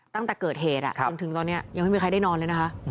ตั้งแต่เกิดเหตุจนถึงตอนนี้ยังไม่มีใครได้นอนเลยนะคะ